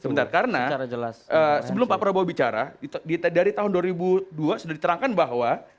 sebentar karena sebelum pak prabowo bicara dari tahun dua ribu dua sudah diterangkan bahwa